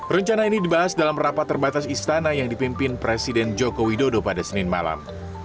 rencana ini dibahas dalam rapat terbatas istana yang dipimpin presiden joko widodo pada senin malam